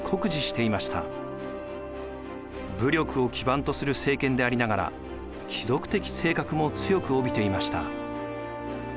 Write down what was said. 武力を基盤とする政権でありながら貴族的性格も強く帯びていました。